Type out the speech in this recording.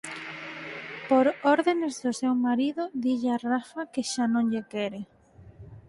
Por ordenes do seu marido dille a Rafa que xa non lle quere.